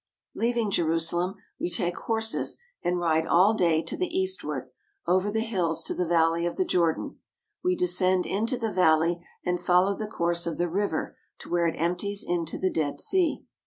Leaving Jerusalem, we take horses and ride all day to the eastward, over the hills to the valley of the Jordan. We descend into the valley and follow the course of the river to where it empties into the Dead Sea.